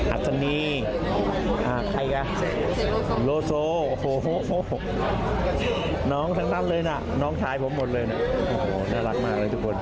อัศนีโรโซน้องชายผมหมดเลยนะน่ารักมากเลยทุกคน